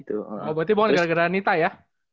oh berarti bawa gara gara nita ya